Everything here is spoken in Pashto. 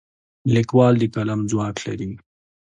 لیکوال د قلم ځواک لري.